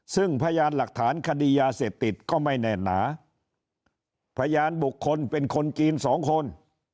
ซึ่งพยานหลักฐานคดียาเสพติดก็ไม่แน่นหนาพยานบุคคลเป็นคนจีนสองคน